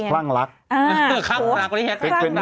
โพสต์คร่างลักษณ์